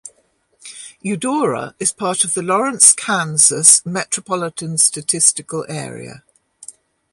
Eudora is part of the Lawrence, Kansas Metropolitan Statistical Area.